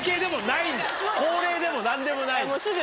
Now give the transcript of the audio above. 恒例でも何でもない。